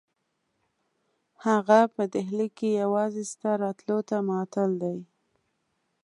هغه په ډهلي کې یوازې ستا راتلو ته معطل دی.